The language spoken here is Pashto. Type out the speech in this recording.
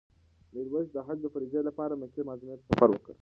میرویس د حج د فریضې لپاره مکې معظمې ته سفر وکړ.